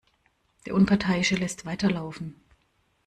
Der Unparteiische lässt weiterlaufen.